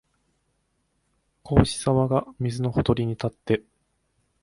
孔子さまが水のほとりに立って、